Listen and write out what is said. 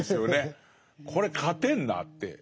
これ勝てるなって。